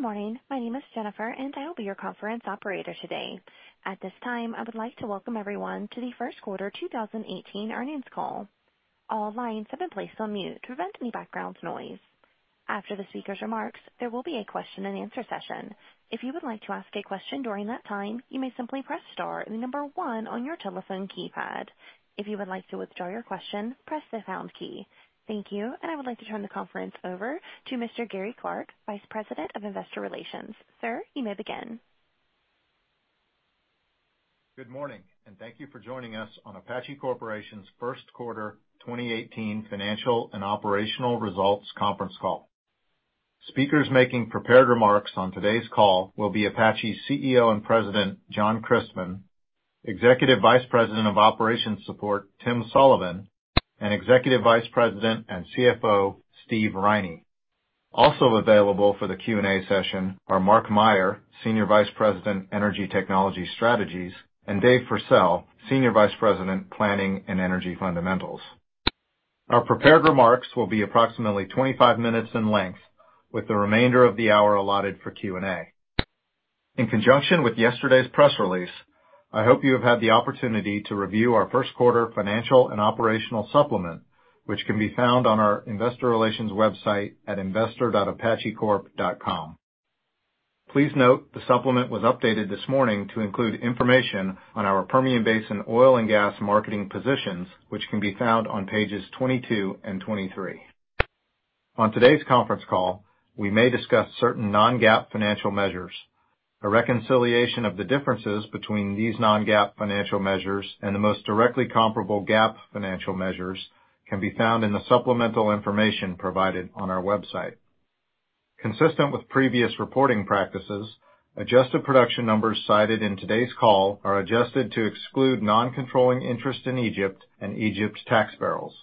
Good morning. My name is Jennifer, and I will be your conference operator today. At this time, I would like to welcome everyone to the first quarter 2018 earnings call. All lines have been placed on mute to prevent any background noise. After the speaker's remarks, there will be a question and answer session. If you would like to ask a question during that time, you may simply press star and 1 on your telephone keypad. If you would like to withdraw your question, press the pound key. Thank you. I would like to turn the conference over to Mr. Gary Clark, Vice President of Investor Relations. Sir, you may begin. Good morning, and thank you for joining us on Apache Corporation's first quarter 2018 financial and operational results conference call. Speakers making prepared remarks on today's call will be Apache's CEO and President, John Christmann; Executive Vice President of Operations Support, Tim Sullivan; and Executive Vice President and CFO, Steve Riney. Also available for the Q&A session are Mark Meyer, Senior Vice President, Energy Technology Strategies, and Dave Pursell, Senior Vice President, Planning and Energy Fundamentals. Our prepared remarks will be approximately 25 minutes in length, with the remainder of the hour allotted for Q&A. In conjunction with yesterday's press release, I hope you have had the opportunity to review our first quarter financial and operational supplement, which can be found on our investor relations website at investor.apachecorp.com. Please note the supplement was updated this morning to include information on our Permian Basin oil and gas marketing positions, which can be found on pages 22 and 23. On today's conference call, we may discuss certain non-GAAP financial measures. A reconciliation of the differences between these non-GAAP financial measures and the most directly comparable GAAP financial measures can be found in the supplemental information provided on our website. Consistent with previous reporting practices, adjusted production numbers cited in today's call are adjusted to exclude non-controlling interest in Egypt and Egypt's tax barrels.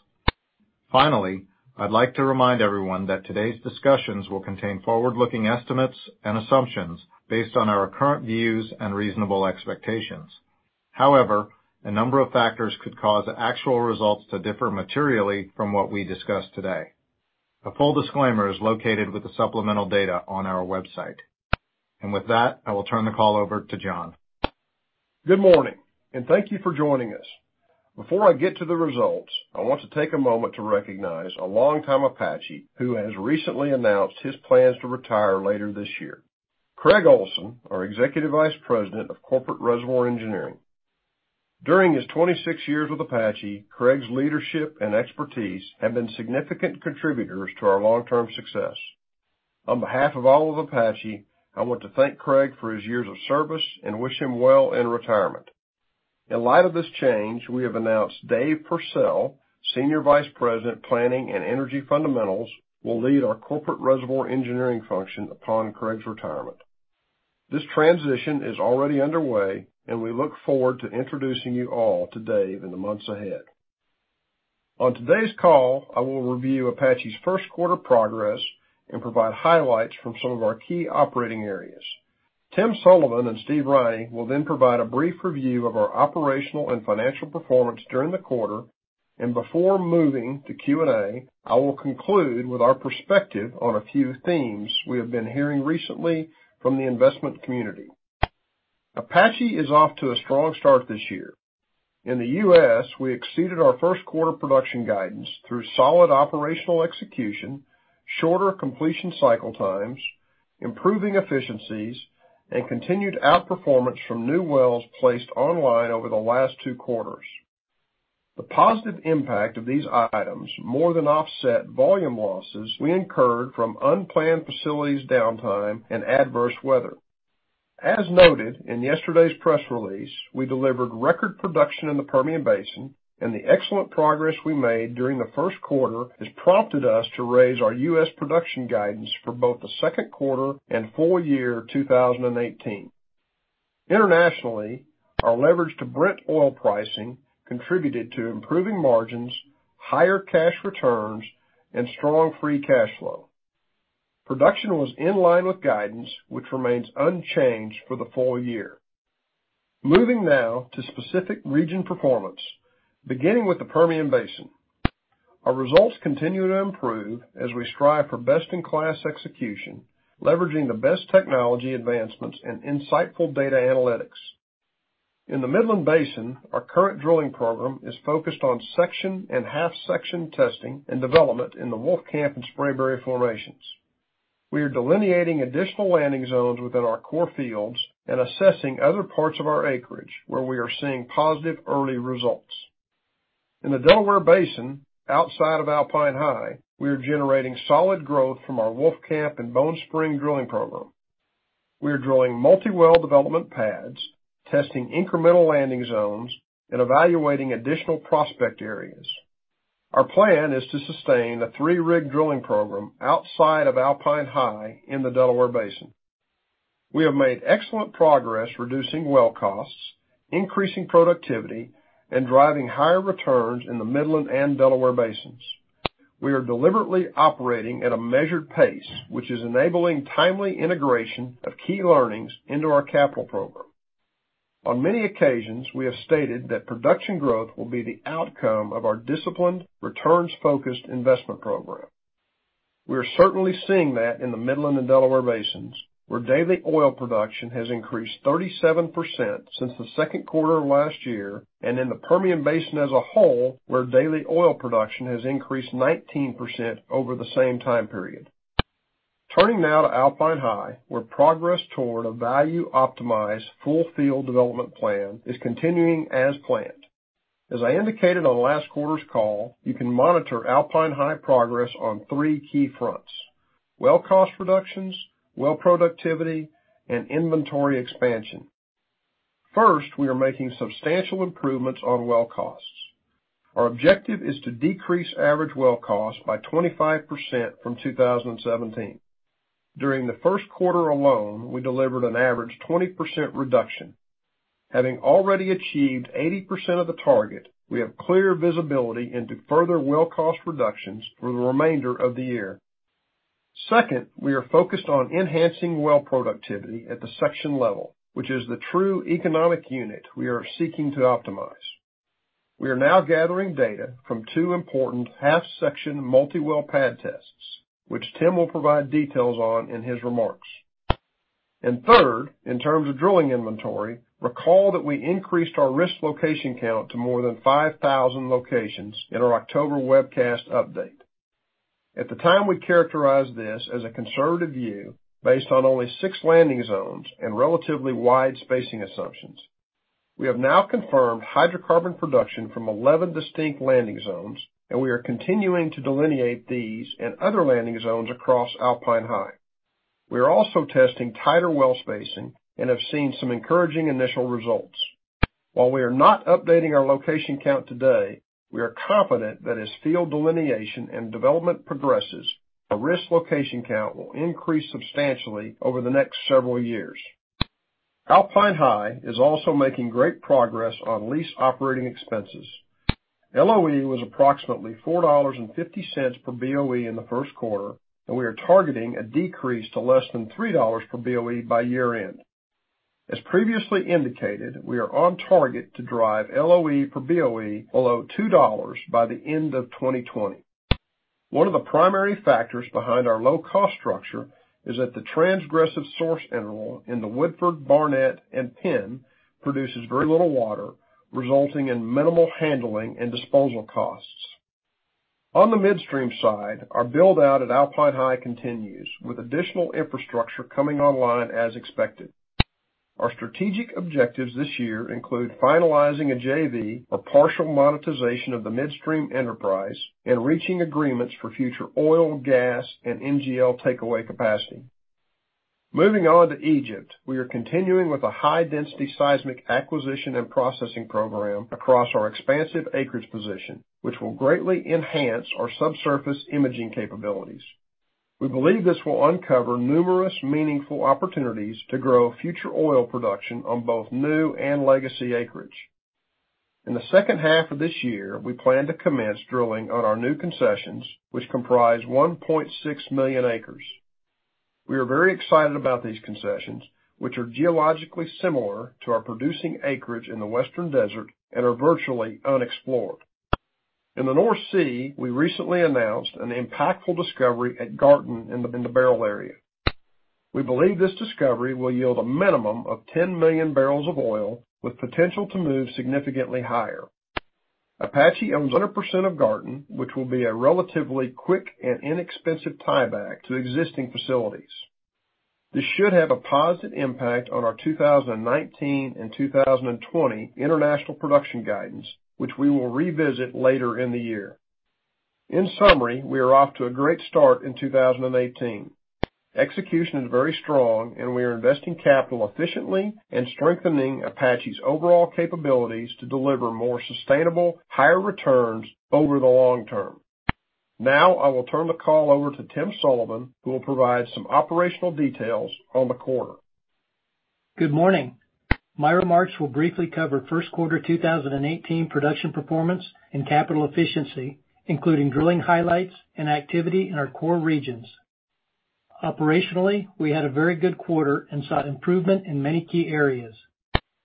Finally, I'd like to remind everyone that today's discussions will contain forward-looking estimates and assumptions based on our current views and reasonable expectations. However, a number of factors could cause actual results to differ materially from what we discuss today. A full disclaimer is located with the supplemental data on our website. With that, I will turn the call over to John. Good morning, thank you for joining us. Before I get to the results, I want to take a moment to recognize a longtime Apache who has recently announced his plans to retire later this year. Kregg Olson, our Executive Vice President of Corporate Reservoir Engineering. During his 26 years with Apache, Kregg's leadership and expertise have been significant contributors to our long-term success. On behalf of all of Apache, I want to thank Kregg for his years of service and wish him well in retirement. In light of this change, we have announced David Pursell, Senior Vice President, Planning and Energy Fundamentals, will lead our corporate reservoir engineering function upon Kregg's retirement. This transition is already underway, we look forward to introducing you all to David in the months ahead. On today's call, I will review Apache's first quarter progress and provide highlights from some of our key operating areas. Tim Sullivan and Steve Riney will provide a brief review of our operational and financial performance during the quarter. Before moving to Q&A, I will conclude with our perspective on a few themes we have been hearing recently from the investment community. Apache is off to a strong start this year. In the U.S., we exceeded our first quarter production guidance through solid operational execution, shorter completion cycle times, improving efficiencies, and continued outperformance from new wells placed online over the last two quarters. The positive impact of these items more than offset volume losses we incurred from unplanned facilities downtime and adverse weather. As noted in yesterday's press release, we delivered record production in the Permian Basin, the excellent progress we made during the first quarter has prompted us to raise our U.S. production guidance for both the second quarter and full year 2018. Internationally, our leverage to Brent oil pricing contributed to improving margins, higher cash returns, and strong free cash flow. Production was in line with guidance, which remains unchanged for the full year. Moving now to specific region performance, beginning with the Permian Basin. Our results continue to improve as we strive for best-in-class execution, leveraging the best technology advancements and insightful data analytics. In the Midland Basin, our current drilling program is focused on section and half section testing and development in the Wolfcamp and Spraberry formations. We are delineating additional landing zones within our core fields and assessing other parts of our acreage where we are seeing positive early results. In the Delaware Basin, outside of Alpine High, we are generating solid growth from our Wolfcamp and Bone Spring drilling program. We are drilling multi-well development pads, testing incremental landing zones, and evaluating additional prospect areas. Our plan is to sustain the three-rig drilling program outside of Alpine High in the Delaware Basin. We have made excellent progress reducing well costs, increasing productivity, and driving higher returns in the Midland and Delaware Basins. We are deliberately operating at a measured pace, which is enabling timely integration of key learnings into our capital program. On many occasions, we have stated that production growth will be the outcome of our disciplined, returns-focused investment program. We are certainly seeing that in the Midland and Delaware Basins, where daily oil production has increased 37% since the second quarter of last year, and in the Permian Basin as a whole, where daily oil production has increased 19% over the same time period. Turning now to Alpine High, where progress toward a value-optimized full field development plan is continuing as planned. As I indicated on last quarter's call, you can monitor Alpine High progress on three key fronts: well cost reductions, well productivity, and inventory expansion. First, we are making substantial improvements on well costs. Our objective is to decrease average well cost by 25% from 2017. During the first quarter alone, we delivered an average 20% reduction. Having already achieved 80% of the target, we have clear visibility into further well cost reductions for the remainder of the year. Second, we are focused on enhancing well productivity at the section level, which is the true economic unit we are seeking to optimize. We are now gathering data from two important half-section multi-well pad tests, which Tim will provide details on in his remarks. Third, in terms of drilling inventory, recall that we increased our risk location count to more than 5,000 locations in our October webcast update. At the time, we characterized this as a conservative view based on only six landing zones and relatively wide spacing assumptions. We have now confirmed hydrocarbon production from 11 distinct landing zones, and we are continuing to delineate these and other landing zones across Alpine High. We are also testing tighter well spacing and have seen some encouraging initial results. While we are not updating our location count today, we are confident that as field delineation and development progresses, the risk location count will increase substantially over the next several years. Alpine High is also making great progress on lease operating expenses. LOE was approximately $4.50 per BOE in the first quarter, and we are targeting a decrease to less than $3 per BOE by year-end. As previously indicated, we are on target to drive LOE per BOE below $2 by the end of 2020. One of the primary factors behind our low cost structure is that the transgressive source interval in the Woodford, Barnett, and Penn produces very little water, resulting in minimal handling and disposal costs. On the midstream side, our build-out at Alpine High continues, with additional infrastructure coming online as expected. Our strategic objectives this year include finalizing a JV or partial monetization of the midstream enterprise and reaching agreements for future oil, gas, and NGL takeaway capacity. Moving on to Egypt, we are continuing with a high-density seismic acquisition and processing program across our expansive acreage position, which will greatly enhance our subsurface imaging capabilities. We believe this will uncover numerous meaningful opportunities to grow future oil production on both new and legacy acreage. In the second half of this year, we plan to commence drilling on our new concessions, which comprise 1.6 million acres. We are very excited about these concessions, which are geologically similar to our producing acreage in the Western Desert and are virtually unexplored. In the North Sea, we recently announced an impactful discovery at Garten in the Beryl area. We believe this discovery will yield a minimum of 10 million barrels of oil, with potential to move significantly higher. Apache owns 100% of Garten, which will be a relatively quick and inexpensive tieback to existing facilities. This should have a positive impact on our 2019 and 2020 international production guidance, which we will revisit later in the year. In summary, we are off to a great start in 2018. Execution is very strong, and we are investing capital efficiently and strengthening Apache's overall capabilities to deliver more sustainable, higher returns over the long term. Now I will turn the call over to Tim Sullivan, who will provide some operational details on the quarter. Good morning. My remarks will briefly cover first quarter 2018 production performance and capital efficiency, including drilling highlights and activity in our core regions. Operationally, we had a very good quarter and saw improvement in many key areas.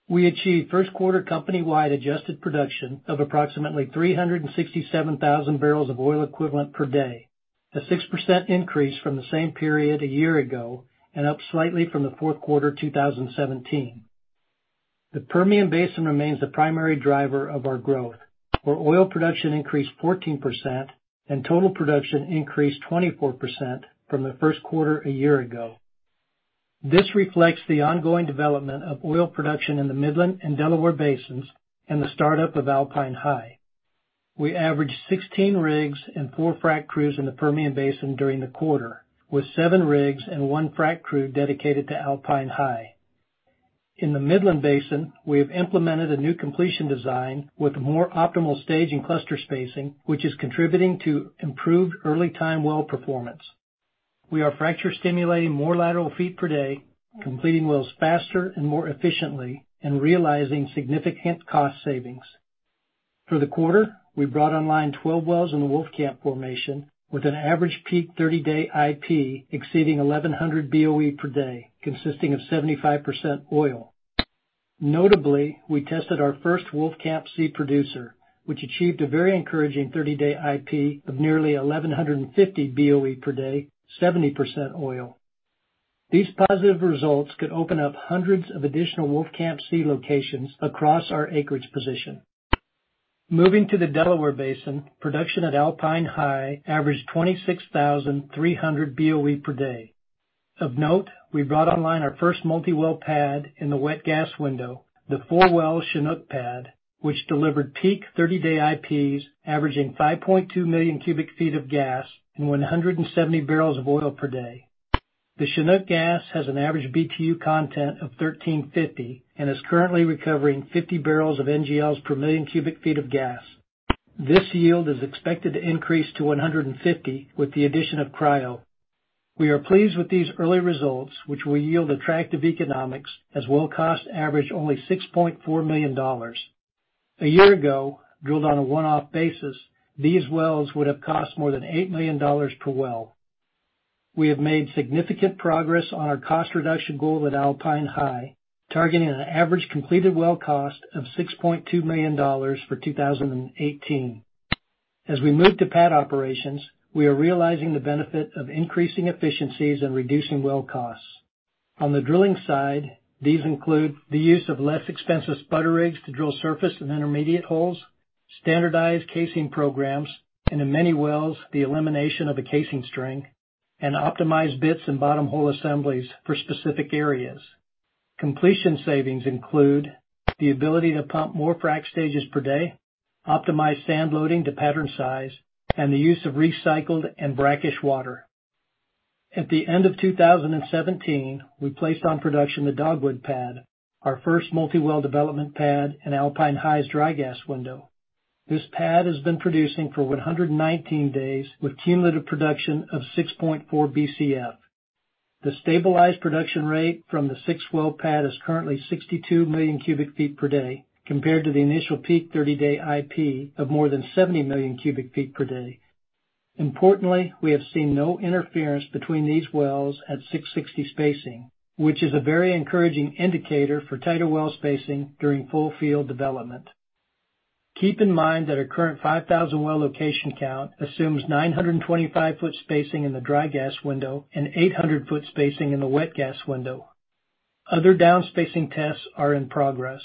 We achieved first quarter company-wide adjusted production of approximately 367,000 barrels of oil equivalent per day, a 6% increase from the same period a year ago, and up slightly from the fourth quarter 2017. The Permian Basin remains the primary driver of our growth, where oil production increased 14% and total production increased 24% from the first quarter a year ago. This reflects the ongoing development of oil production in the Midland and Delaware Basins and the startup of Alpine High. We averaged 16 rigs and four frack crews in the Permian Basin during the quarter, with seven rigs and one frack crew dedicated to Alpine High. In the Midland Basin, we have implemented a new completion design with more optimal stage and cluster spacing, which is contributing to improved early time well performance. We are fracture-stimulating more lateral feet per day, completing wells faster and more efficiently, and realizing significant cost savings. For the quarter, we brought online 12 wells in the Wolfcamp formation with an average peak 30-day IP exceeding 1,100 BOE per day, consisting of 75% oil. Notably, we tested our first Wolfcamp C producer, which achieved a very encouraging 30-day IP of nearly 1,150 BOE per day, 70% oil. These positive results could open up hundreds of additional Wolfcamp C locations across our acreage position. Moving to the Delaware Basin, production at Alpine High averaged 26,300 BOE per day. Of note, we brought online our first multi-well pad in the wet gas window, the four-well Chinook pad, which delivered peak 30-day IPs averaging 5.2 million cubic feet of gas and 170 barrels of oil per day. The Chinook gas has an average BTU content of 1350 and is currently recovering 50 barrels of NGLs per million cubic feet of gas. This yield is expected to increase to 150 with the addition of cryo. We are pleased with these early results, which will yield attractive economics as well cost average only $6.4 million. A year ago, drilled on a one-off basis, these wells would have cost more than $8 million per well. We have made significant progress on our cost reduction goal at Alpine High, targeting an average completed well cost of $6.2 million for 2018. As we move to pad operations, we are realizing the benefit of increasing efficiencies and reducing well costs. On the drilling side, these include the use of less expensive spudder rigs to drill surface and intermediate holes, standardized casing programs, and in many wells, the elimination of a casing string, and optimized bits and bottom hole assemblies for specific areas. Completion savings include the ability to pump more frac stages per day, optimize sand loading to pattern size, and the use of recycled and brackish water. At the end of 2017, we placed on production the Dogwood pad, our first multi-well development pad in Alpine High's dry gas window. This pad has been producing for 119 days with cumulative production of 6.4 BCF. The stabilized production rate from the six-well pad is currently 62 million cubic feet per day, compared to the initial peak 30-day IP of more than 70 million cubic feet per day. Importantly, we have seen no interference between these wells at 660 spacing, which is a very encouraging indicator for tighter well spacing during full field development. Keep in mind that our current 5,000 well location count assumes 925 foot spacing in the dry gas window and 800 foot spacing in the wet gas window. Other down-spacing tests are in progress.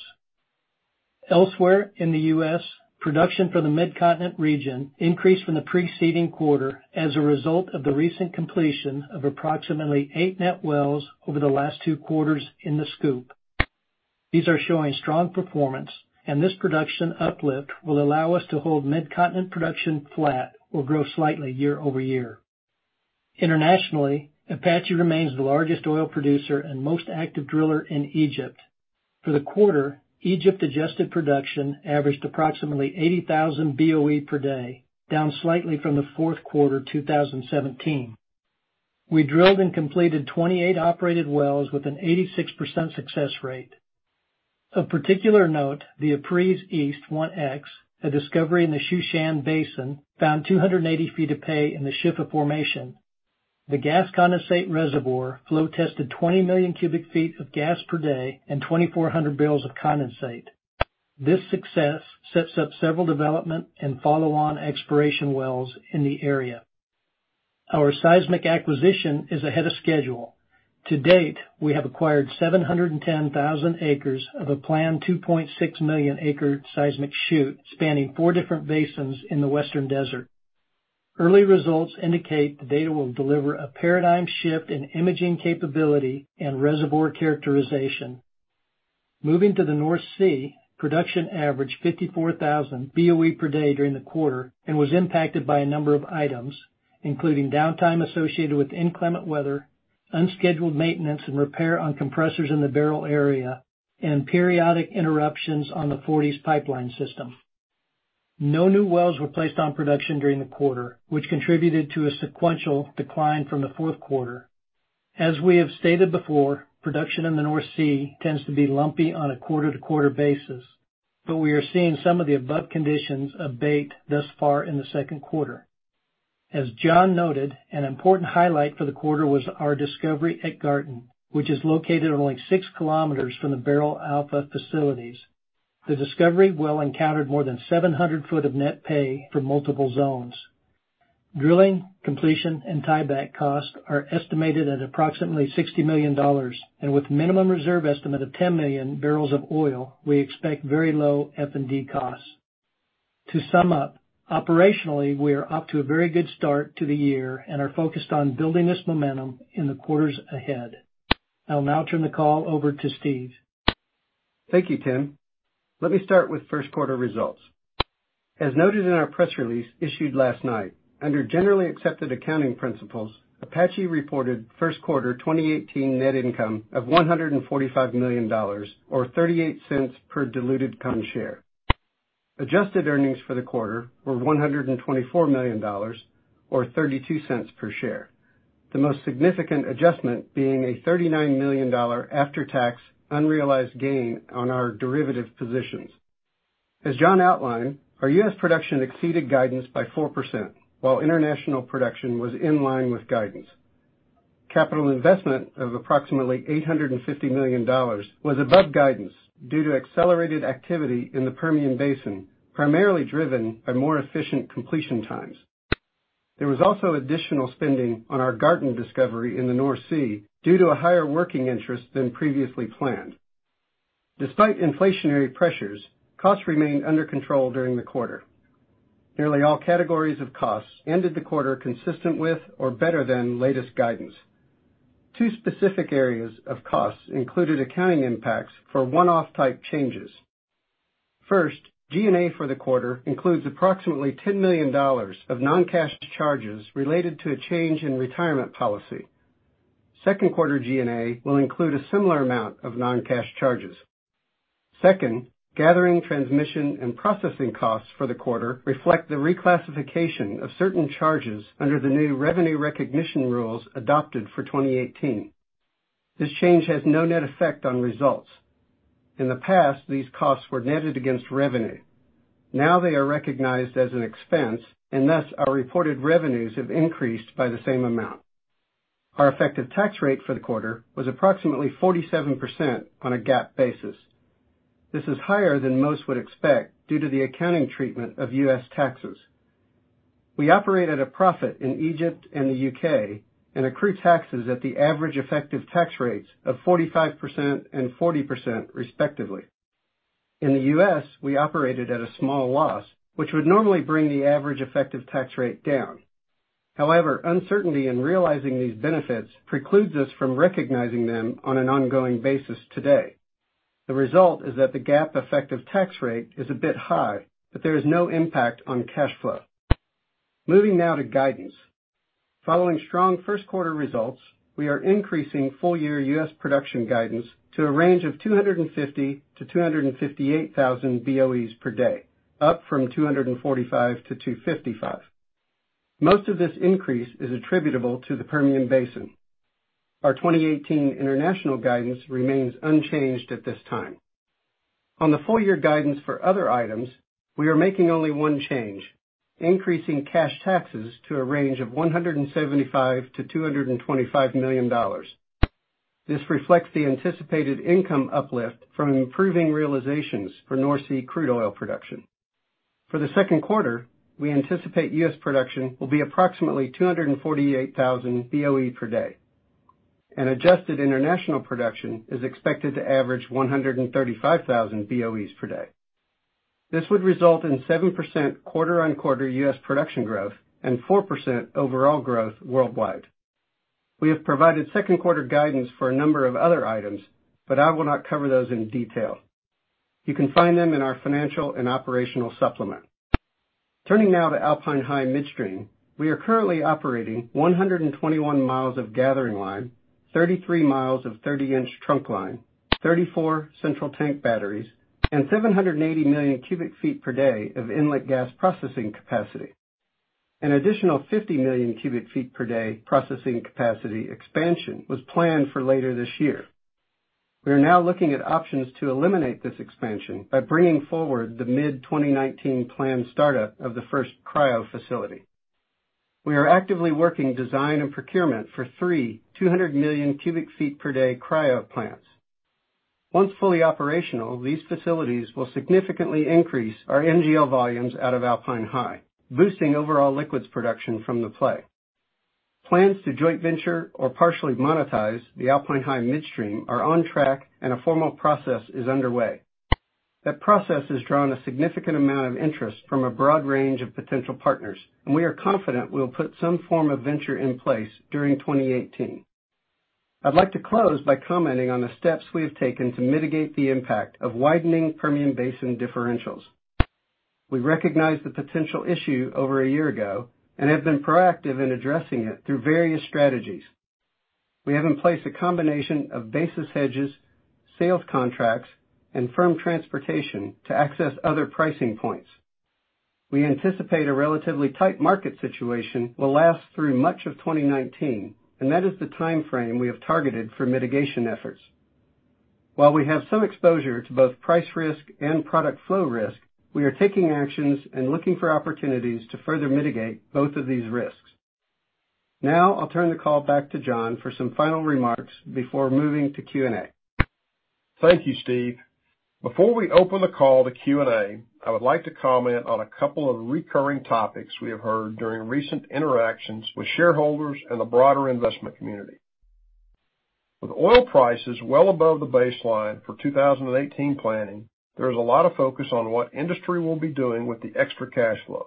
Elsewhere in the U.S., production for the Midcontinent region increased from the preceding quarter as a result of the recent completion of approximately eight net wells over the last two quarters in the SCOOP. These are showing strong performance, and this production uplift will allow us to hold Midcontinent production flat or grow slightly year-over-year. Internationally, Apache remains the largest oil producer and most active driller in Egypt. For the quarter, Egypt-adjusted production averaged approximately 80,000 BOE per day, down slightly from the fourth quarter 2017. We drilled and completed 28 operated wells with an 86% success rate. Of particular note, the Apries-1X, a discovery in the Shushan Basin, found 280 feet of pay in the Shifa formation. The gas condensate reservoir flow tested 20 million cubic feet of gas per day and 2,400 barrels of condensate. This success sets up several development and follow-on exploration wells in the area. Our seismic acquisition is ahead of schedule. To date, we have acquired 710,000 acres of a planned 2.6 million acre seismic shoot spanning 4 different basins in the Western Desert. Early results indicate the data will deliver a paradigm shift in imaging capability and reservoir characterization. Moving to the North Sea, production averaged 54,000 BOE per day during the quarter and was impacted by a number of items, including downtime associated with inclement weather, unscheduled maintenance, and repair on compressors in the Beryl area, and periodic interruptions on the Forties Pipeline System. No new wells were placed on production during the quarter, which contributed to a sequential decline from the fourth quarter. As we have stated before, production in the North Sea tends to be lumpy on a quarter-to-quarter basis, but we are seeing some of the above conditions abate thus far in the second quarter. As John noted, an important highlight for the quarter was our discovery at Garten, which is located only 6 kilometers from the Beryl Alpha facilities. The discovery well encountered more than 700 foot of net pay for multiple zones. Drilling, completion, and tieback costs are estimated at approximately $60 million, with minimum reserve estimate of 10 million barrels of oil, we expect very low F&D costs. To sum up, operationally, we are up to a very good start to the year and are focused on building this momentum in the quarters ahead. I'll now turn the call over to Steve. Thank you, Tim. Let me start with first quarter results. As noted in our press release issued last night, under generally accepted accounting principles, Apache reported first quarter 2018 net income of $145 million, or $0.38 per diluted ton share. Adjusted earnings for the quarter were $124 million, or $0.32 per share. The most significant adjustment being a $39 million after-tax unrealized gain on our derivative positions. As John outlined, our U.S. production exceeded guidance by 4%, while international production was in line with guidance. Capital investment of approximately $850 million was above guidance due to accelerated activity in the Permian Basin, primarily driven by more efficient completion times. There was also additional spending on our Garten discovery in the North Sea due to a higher working interest than previously planned. Despite inflationary pressures, costs remained under control during the quarter. Nearly all categories of costs ended the quarter consistent with or better than latest guidance. Two specific areas of costs included accounting impacts for one-off type changes. First, G&A for the quarter includes approximately $10 million of non-cash charges related to a change in retirement policy. Second quarter G&A will include a similar amount of non-cash charges. Second, gathering transmission and processing costs for the quarter reflect the reclassification of certain charges under the new revenue recognition rules adopted for 2018. This change has no net effect on results. In the past, these costs were netted against revenue. Now they are recognized as an expense, thus our reported revenues have increased by the same amount. Our effective tax rate for the quarter was approximately 47% on a GAAP basis. This is higher than most would expect due to the accounting treatment of U.S. taxes. We operate at a profit in Egypt and the U.K. and accrue taxes at the average effective tax rates of 45% and 40% respectively. In the U.S., we operated at a small loss, which would normally bring the average effective tax rate down. However, uncertainty in realizing these benefits precludes us from recognizing them on an ongoing basis today. The result is that the GAAP effective tax rate is a bit high, but there is no impact on cash flow. Moving now to guidance. Following strong first quarter results, we are increasing full year U.S. production guidance to a range of 250,000-258,000 BOEs per day, up from 245,000-255,000 BOEs. Most of this increase is attributable to the Permian Basin. Our 2018 international guidance remains unchanged at this time. On the full year guidance for other items, we are making only one change, increasing cash taxes to a range of $175 million-$225 million. This reflects the anticipated income uplift from improving realizations for North Sea crude oil production. For the second quarter, we anticipate U.S. production will be approximately 248,000 BOE per day. Adjusted international production is expected to average 135,000 BOEs per day. This would result in 7% quarter-on-quarter U.S. production growth and 4% overall growth worldwide. We have provided second quarter guidance for a number of other items. I will not cover those in detail. You can find them in our financial and operational supplement. Turning now to Alpine High Midstream, we are currently operating 121 miles of gathering line, 33 miles of 30-inch trunk line, 34 central tank batteries, and 780 million cubic feet per day of inlet gas processing capacity. An additional 50 million cubic feet per day processing capacity expansion was planned for later this year. We are now looking at options to eliminate this expansion by bringing forward the mid-2019 plan startup of the first cryo facility. We are actively working design and procurement for 3 200 million cubic feet per day cryo plants. Once fully operational, these facilities will significantly increase our NGL volumes out of Alpine High, boosting overall liquids production from the play. Plans to joint venture or partially monetize the Alpine High Midstream are on track. A formal process is underway. That process has drawn a significant amount of interest from a broad range of potential partners. We are confident we'll put some form of venture in place during 2018. I'd like to close by commenting on the steps we have taken to mitigate the impact of widening Permian Basin differentials. We recognized the potential issue over a year ago and have been proactive in addressing it through various strategies. We have in place a combination of basis hedges, sales contracts, and firm transportation to access other pricing points. We anticipate a relatively tight market situation will last through much of 2019. That is the timeframe we have targeted for mitigation efforts. While we have some exposure to both price risk and product flow risk, we are taking actions. Looking for opportunities to further mitigate both of these risks. I'll turn the call back to John for some final remarks before moving to Q&A. Thank you, Steve. Before we open the call to Q&A, I would like to comment on a couple of recurring topics we have heard during recent interactions with shareholders and the broader investment community. With oil prices well above the baseline for 2018 planning, there is a lot of focus on what industry will be doing with the extra cash flows.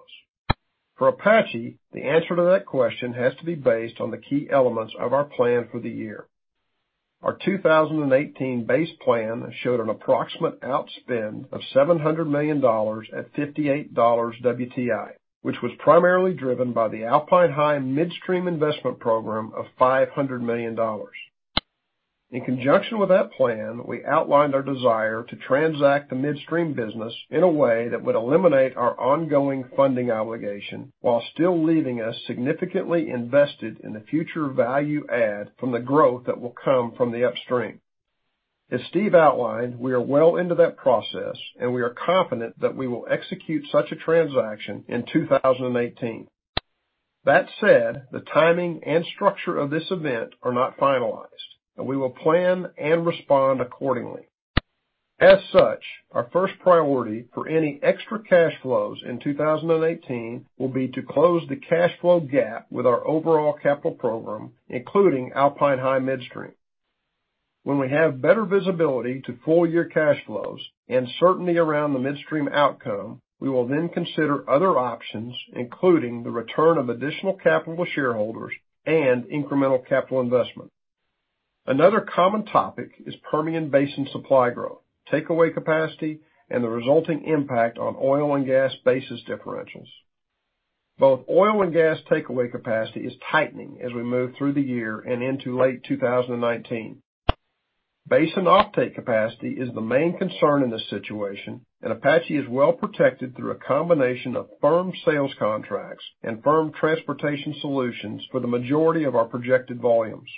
For Apache, the answer to that question has to be based on the key elements of our plan for the year. Our 2018 base plan showed an approximate outspend of $700 million at $58 WTI, which was primarily driven by the Alpine High Midstream investment program of $500 million. In conjunction with that plan, we outlined our desire to transact the midstream business in a way that would eliminate our ongoing funding obligation while still leaving us significantly invested in the future value add from the growth that will come from the upstream. As Steve outlined, we are well into that process, and we are confident that we will execute such a transaction in 2018. That said, the timing and structure of this event are not finalized, and we will plan and respond accordingly. As such, our first priority for any extra cash flows in 2018 will be to close the cash flow gap with our overall capital program, including Alpine High Midstream. When we have better visibility to full-year cash flows and certainty around the midstream outcome, we will then consider other options, including the return of additional capital to shareholders and incremental capital investment. Another common topic is Permian Basin supply growth, takeaway capacity, and the resulting impact on oil and gas basis differentials. Both oil and gas takeaway capacity is tightening as we move through the year and into late 2019. Basin offtake capacity is the main concern in this situation, and Apache is well-protected through a combination of firm sales contracts and firm transportation solutions for the majority of our projected volumes.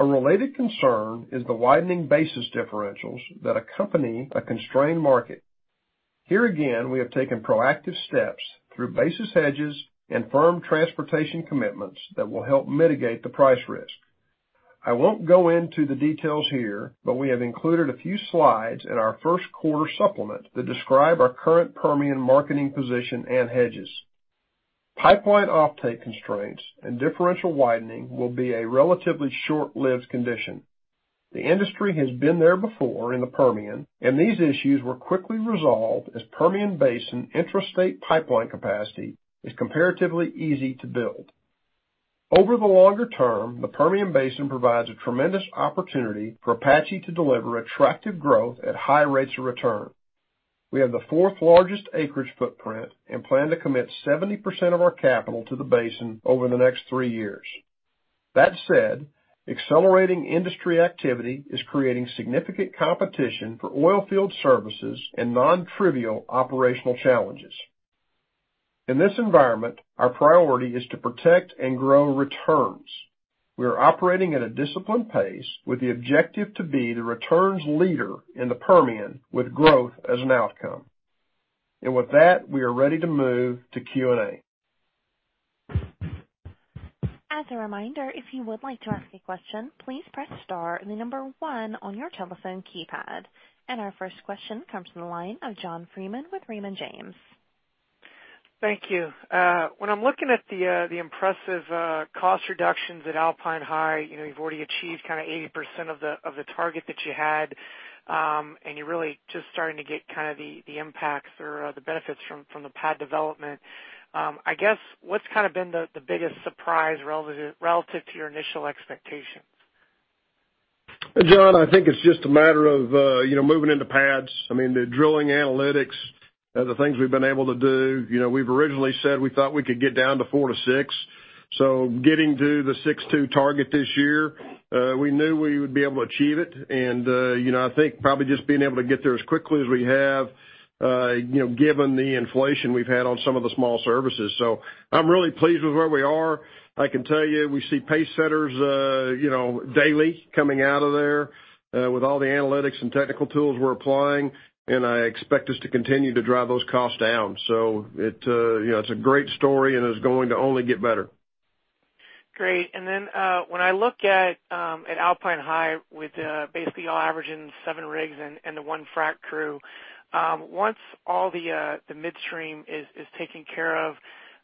A related concern is the widening basis differentials that accompany a constrained market. Here again, we have taken proactive steps through basis hedges and firm transportation commitments that will help mitigate the price risk. I won't go into the details here, but we have included a few slides in our first quarter supplement that describe our current Permian marketing position and hedges. Pipeline offtake constraints and differential widening will be a relatively short-lived condition. The industry has been there before in the Permian, these issues were quickly resolved as Permian Basin intrastate pipeline capacity is comparatively easy to build. Over the longer term, the Permian Basin provides a tremendous opportunity for Apache to deliver attractive growth at high rates of return. We have the fourth largest acreage footprint and plan to commit 70% of our capital to the basin over the next three years. That said, accelerating industry activity is creating significant competition for oil field services and non-trivial operational challenges. In this environment, our priority is to protect and grow returns. We are operating at a disciplined pace with the objective to be the returns leader in the Permian with growth as an outcome. With that, we are ready to move to Q&A. As a reminder, if you would like to ask a question, please press star and the number 1 on your telephone keypad. Our first question comes from the line of John Freeman with Raymond James. Thank you. When I'm looking at the impressive cost reductions at Alpine High, you've already achieved 80% of the target that you had. You're really just starting to get the impacts or the benefits from the pad development. I guess, what's been the biggest surprise relative to your initial expectations? John, I think it's just a matter of moving into pads. The drilling analytics, the things we've been able to do. We've originally said we thought we could get down to four to six. Getting to the six-two target this year, we knew we would be able to achieve it. I think probably just being able to get there as quickly as we have given the inflation we've had on some of the small services. I'm really pleased with where we are. I can tell you, we see pacesetters daily coming out of there, with all the analytics and technical tools we're applying, and I expect us to continue to drive those costs down. It's a great story and is going to only get better. Great. When I look at Alpine High with basically you all averaging seven rigs and the one frac crew, once all the midstream is taken care of,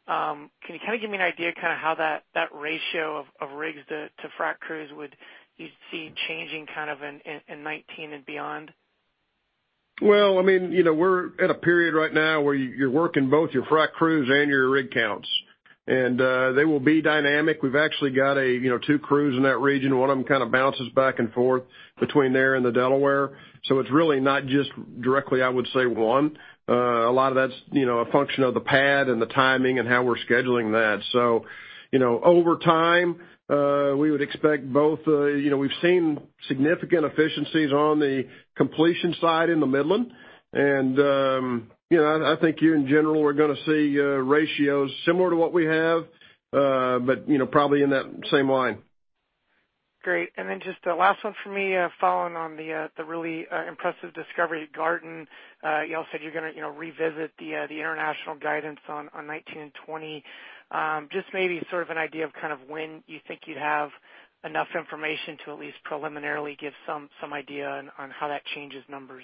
can you give me an idea how that ratio of rigs to frac crews would you see changing in 2019 and beyond? Well, we're at a period right now where you're working both your frac crews and your rig counts, and they will be dynamic. We've actually got two crews in that region. One of them kind of bounces back and forth between there and the Delaware. It's really not just directly, I would say, one. A lot of that's a function of the pad and the timing and how we're scheduling that. Over time, we would expect both, we've seen significant efficiencies on the completion side in the Midland, and I think you, in general, are going to see ratios similar to what we have, but probably in that same line. Great. Just the last one for me, following on the really impressive discovery at Garten. You all said you're going to revisit the international guidance on 2019 and 2020. Just maybe sort of an idea of when you think you'd have enough information to at least preliminarily give some idea on how that changes numbers.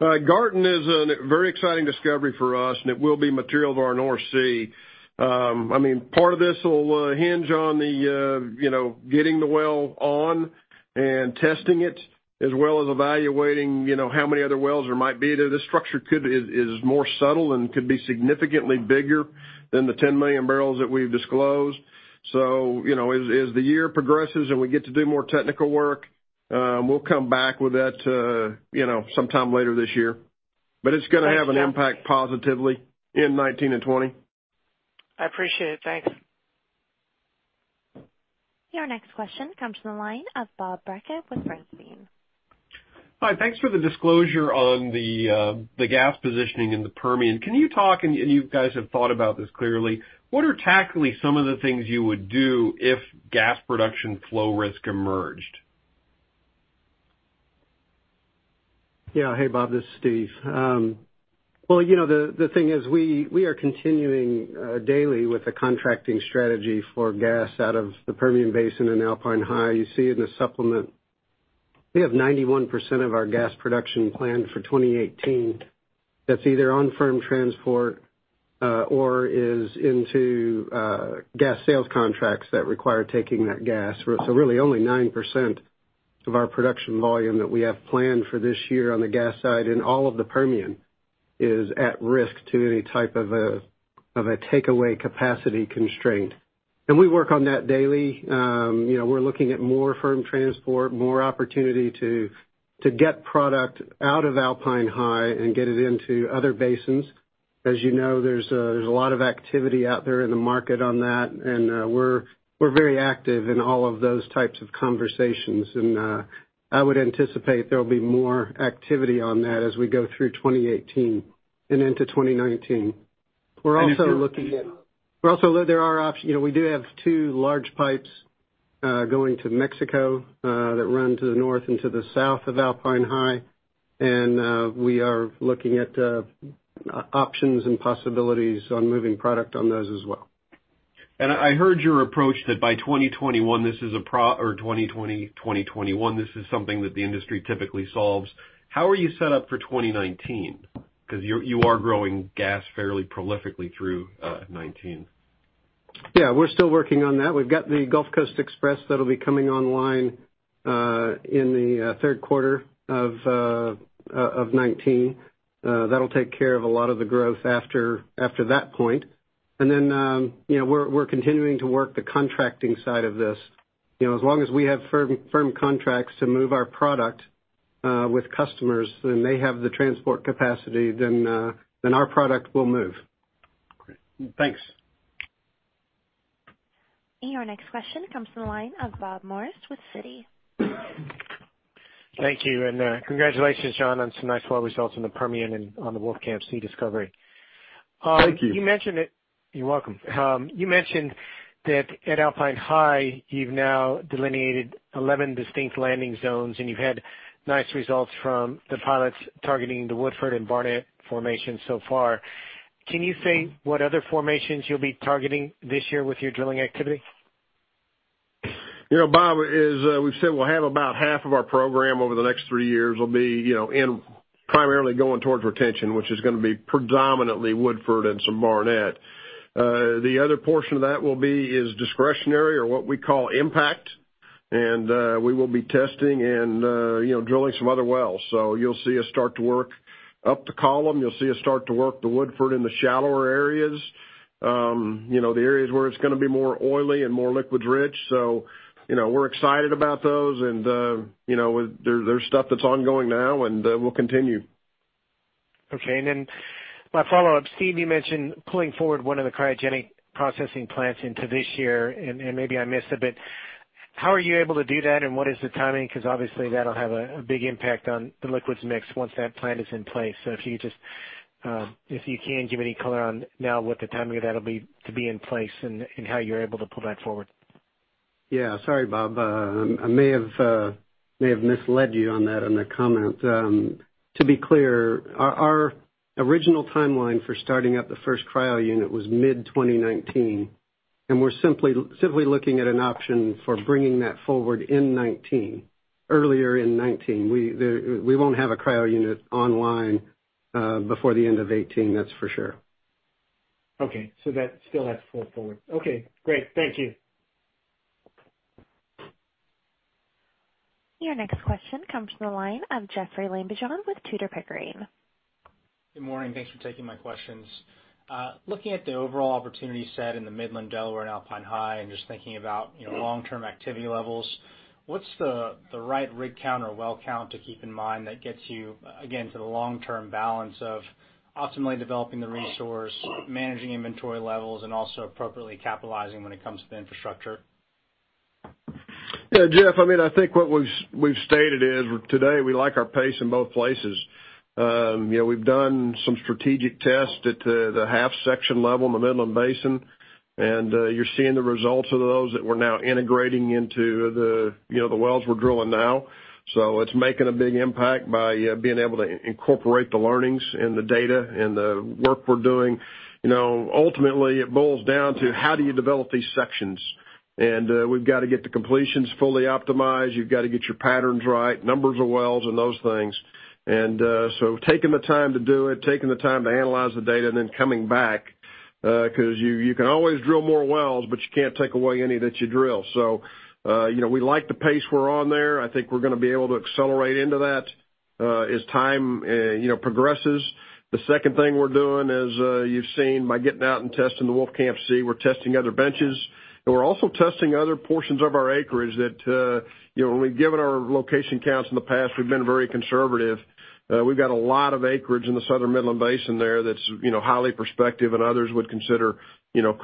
Garten is a very exciting discovery for us. It will be material to our North Sea. Part of this will hinge on getting the well on and testing it, as well as evaluating how many other wells there might be there. This structure is more subtle and could be significantly bigger than the 10 million barrels that we've disclosed. As the year progresses and we get to do more technical work, we'll come back with that sometime later this year. It's going to have an impact positively in 2019 and 2020. I appreciate it. Thanks. Your next question comes from the line of Bob Brackett with Bernstein. Hi. Thanks for the disclosure on the gas positioning in the Permian. Can you talk, and you guys have thought about this clearly, what are tactically some of the things you would do if gas production flow risk emerged? Yeah. Hey, Bob, this is Steve. Well, the thing is we are continuing daily with a contracting strategy for gas out of the Permian Basin and Alpine High. You see in the supplement, we have 91% of our gas production plan for 2018 that's either on firm transport or is into gas sales contracts that require taking that gas. Really only 9% of our production volume that we have planned for this year on the gas side and all of the Permian is at risk to any type of a takeaway capacity constraint. We work on that daily. We're looking at more firm transport, more opportunity to get product out of Alpine High and get it into other basins. As you know, there's a lot of activity out there in the market on that, and we're very active in all of those types of conversations. I would anticipate there'll be more activity on that as we go through 2018 and into 2019. We're also looking at- If you- There are options. We do have two large pipes going to Mexico that run to the north and to the south of Alpine High, we are looking at options and possibilities on moving product on those as well. I heard your approach that by 2021, this is a pro or 2020, 2021, this is something that the industry typically solves. How are you set up for 2019? Because you are growing gas fairly prolifically through 2019. Yeah, we're still working on that. We've got the Gulf Coast Express that'll be coming online in the third quarter of 2019. That'll take care of a lot of the growth after that point. Then we're continuing to work the contracting side of this. As long as we have firm contracts to move our product with customers, then they have the transport capacity, then our product will move. Great. Thanks. Your next question comes from the line of Bob Morris with Citi. Thank you, and congratulations, John, on some nice well results in the Permian and on the Wolfcamp C discovery. Thank you. You're welcome. You mentioned that at Alpine High, you've now delineated 11 distinct landing zones, and you've had nice results from the pilots targeting the Woodford and Barnett formations so far. Can you say what other formations you'll be targeting this year with your drilling activity? Bob, as we've said, we'll have about half of our program over the next 3 years will be in primarily going towards retention, which is going to be predominantly Woodford and some Barnett. The other portion of that will be is discretionary or what we call impact, and we will be testing and drilling some other wells. You'll see us start to work up the column. You'll see us start to work the Woodford in the shallower areas. The areas where it's going to be more oily and more liquids rich. We're excited about those and there's stuff that's ongoing now, and we'll continue. Okay. My follow-up, Steve, you mentioned pulling forward one of the cryogenic processing plants into this year, and maybe I missed it, but how are you able to do that and what is the timing? Obviously that'll have a big impact on the liquids mix once that plant is in place. If you can give any color on now what the timing of that'll be to be in place and how you're able to pull that forward. Yeah. Sorry, Bob. I may have misled you on that on the comment. To be clear, our original timeline for starting up the first cryo unit was mid-2019. We're simply looking at an option for bringing that forward in 2019, earlier in 2019. We won't have a cryo unit online before the end of 2018, that's for sure. Okay, that still has to pull forward. Okay, great. Thank you. Your next question comes from the line of Jeoffrey Lambujon with Tudor, Pickering. Good morning. Thanks for taking my questions. Looking at the overall opportunity set in the Midland, Delaware, and Alpine High, and just thinking about long-term activity levels, what's the right rig count or well count to keep in mind that gets you again, to the long-term balance of optimally developing the resource, managing inventory levels, and also appropriately capitalizing when it comes to the infrastructure? Yeah, Jeff, I think what we've stated is today we like our pace in both places. We've done some strategic tests at the half section level in the Midland Basin, and you're seeing the results of those that we're now integrating into the wells we're drilling now. It's making a big impact by being able to incorporate the learnings and the data and the work we're doing. Ultimately, it boils down to how do you develop these sections? We've got to get the completions fully optimized. You've got to get your patterns right, numbers of wells, and those things. Taking the time to do it, taking the time to analyze the data, and then coming back, because you can always drill more wells, but you can't take away any that you drill. We like the pace we're on there. I think we're going to be able to accelerate into that As time progresses, the second thing we're doing, as you've seen by getting out and testing the Wolfcamp C, we're testing other benches, and we're also testing other portions of our acreage that, when we've given our location counts in the past, we've been very conservative. We've got a lot of acreage in the Southern Midland Basin there that's highly prospective and others would consider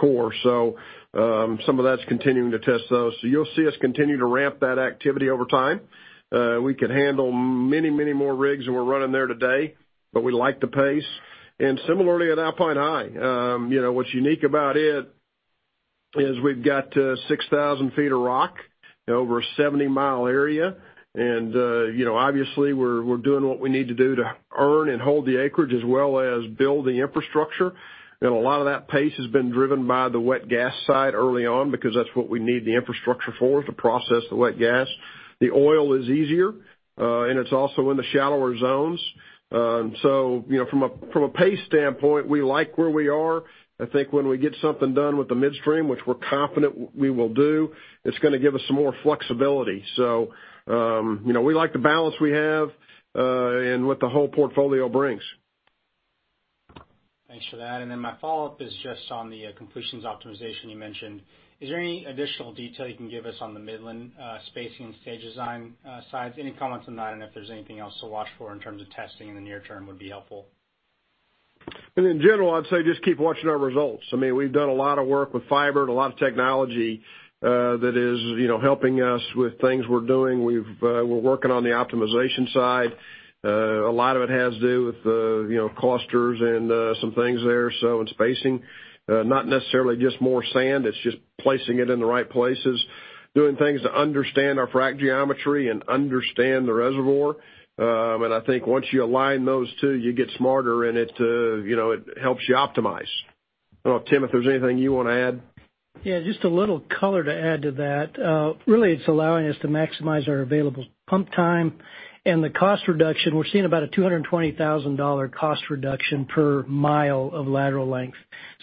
core. Some of that's continuing to test those. You'll see us continue to ramp that activity over time. We could handle many more rigs than we're running there today, but we like the pace. Similarly at Alpine High. What's unique about it is we've got 6,000 feet of rock over a 70-mile area. Obviously, we're doing what we need to do to earn and hold the acreage as well as build the infrastructure. A lot of that pace has been driven by the wet gas side early on, because that's what we need the infrastructure for, is to process the wet gas. The oil is easier, and it's also in the shallower zones. From a pace standpoint, we like where we are. I think when we get something done with the midstream, which we're confident we will do, it's going to give us some more flexibility. We like the balance we have, and what the whole portfolio brings. Thanks for that. My follow-up is just on the completions optimization you mentioned. Is there any additional detail you can give us on the Midland spacing and stage design sides? Any comments on that? If there's anything else to watch for in terms of testing in the near term would be helpful. In general, I'd say just keep watching our results. We've done a lot of work with fiber and a lot of technology that is helping us with things we're doing. We're working on the optimization side. A lot of it has to do with the clusters and some things there, so, and spacing. Not necessarily just more sand, it's just placing it in the right places, doing things to understand our frack geometry and understand the reservoir. I think once you align those two, you get smarter, and it helps you optimize. I don't know, Tim, if there's anything you want to add? Yeah, just a little color to add to that. Really, it's allowing us to maximize our available pump time and the cost reduction. We're seeing about a $220,000 cost reduction per mile of lateral length,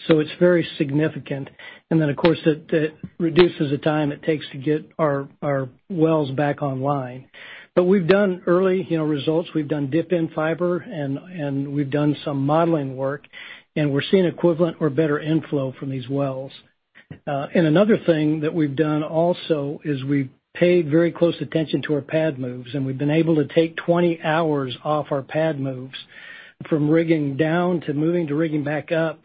so it's very significant. Of course, that reduces the time it takes to get our wells back online. We've done early results. We've done dip in fiber, and we've done some modeling work, and we're seeing equivalent or better inflow from these wells. Another thing that we've done also is we've paid very close attention to our pad moves, and we've been able to take 20 hours off our pad moves from rigging down to moving to rigging back up.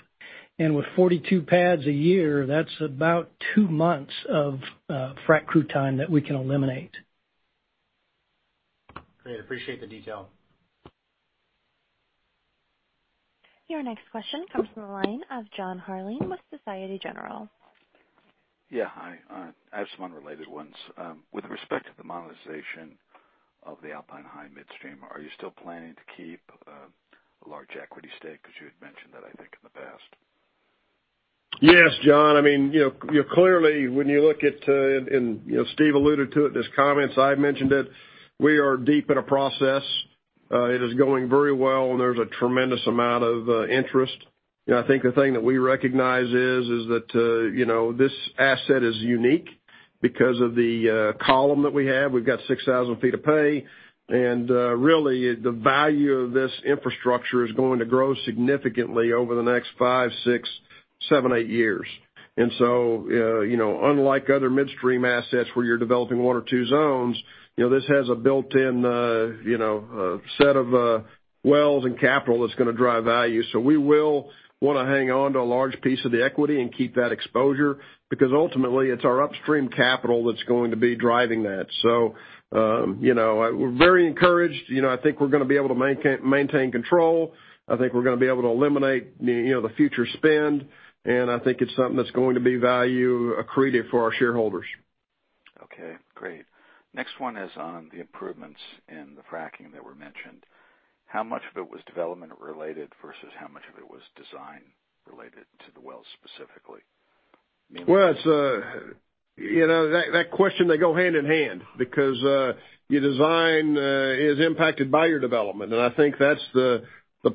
With 42 pads a year, that's about two months of frack crew time that we can eliminate. Great. Appreciate the detail. Your next question comes from the line of John Herrlin with Societe Generale. Yeah. Hi. I have some unrelated ones. With respect to the monetization of the Alpine High Midstream, are you still planning to keep a large equity stake? You had mentioned that, I think, in the past. Yes, John. Clearly, when you look at, Steve alluded to it in his comments, I had mentioned it, we are deep in a process. It is going very well, there's a tremendous amount of interest. I think the thing that we recognize is that this asset is unique because of the column that we have. We've got 6,000 feet of pay. Really, the value of this infrastructure is going to grow significantly over the next five, six, seven, eight years. Unlike other midstream assets where you're developing one or two zones, this has a built-in set of wells and capital that's going to drive value. We will want to hang on to a large piece of the equity and keep that exposure, because ultimately, it's our upstream capital that's going to be driving that. We're very encouraged. I think we're going to be able to maintain control. I think we're going to be able to eliminate the future spend, and I think it's something that's going to be value accretive for our shareholders. Okay, great. Next one is on the improvements in the fracking that were mentioned. How much of it was development-related versus how much of it was design related to the wells specifically? Well, that question, they go hand in hand because your design is impacted by your development. I think that's the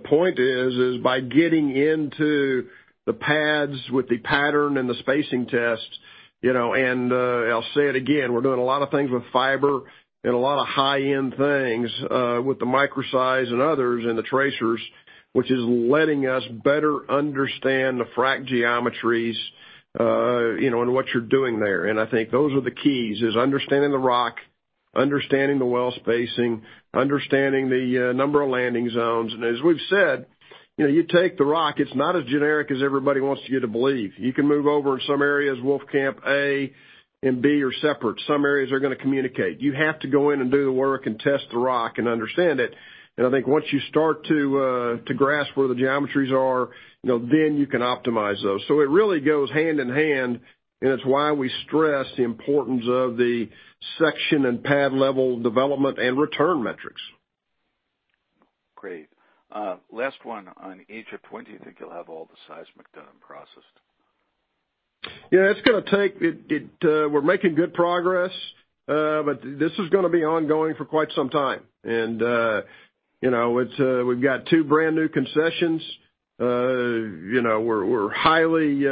point is by getting into the pads with the pattern and the spacing tests, I'll say it again, we're doing a lot of things with fiber and a lot of high-end things with the microseismics and others and the tracers, which is letting us better understand the frack geometries, and what you're doing there. I think those are the keys, is understanding the rock, understanding the well spacing, understanding the number of landing zones. As we've said, you take the rock, it's not as generic as everybody wants you to believe. You can move over in some areas, Wolfcamp A and Wolfcamp B are separate. Some areas are going to communicate. You have to go in and do the work and test the rock and understand it. I think once you start to grasp where the geometries are, then you can optimize those. It really goes hand in hand, and it's why we stress the importance of the section and pad-level development and return metrics. Great. Last one on Egypt. When do you think you'll have all the seismic done and processed? We're making good progress. This is going to be ongoing for quite some time. We've got two brand-new concessions. We're highly